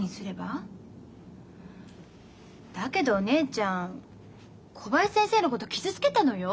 だけどお姉ちゃん小林先生のこと傷つけたのよ？